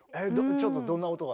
ちょっとどんな音が。